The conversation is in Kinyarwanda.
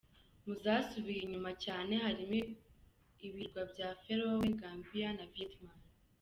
Mu zasubiye inyuma cyane harimo ibirwa bya Feroe, Gambie na Vietnam.